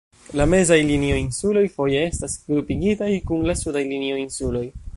La Mezaj Linio-Insuloj foje estas grupigitaj kun la Sudaj Linio-Insuloj.